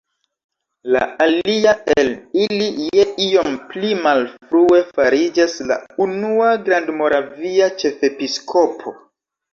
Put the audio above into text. La alia el ili je iom pli malfrue fariĝas la unua grandmoravia ĉefepiskopo.